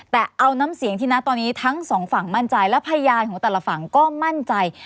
แต่เอาน้ำเสียงที่นะตอนนี้ทั้งสองฝั่งมั่นใจและพยานของแต่ละฝั่งก็มั่นใจ